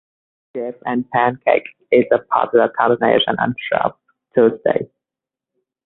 Jif and pancakes is a popular combination on Shrove Tuesday.